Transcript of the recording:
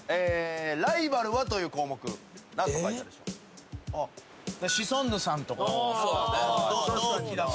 「ライバルは？」という項目何と書いたでしょう。